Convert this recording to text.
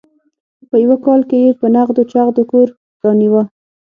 په یوه کال کې یې په نغدو چغدو کور رانیوه.